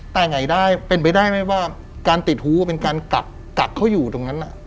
แต่ไงได้เป็นไปได้ไหมว่าการติดหูเป็นการกักเขาอยู่ตรงนั้น